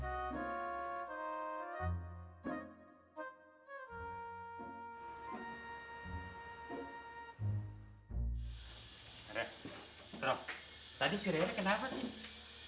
bro tadi si rere kenapa sih